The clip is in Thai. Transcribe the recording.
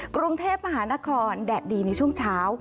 กรุงเทพมหานครแดดดีในช่วงเช้า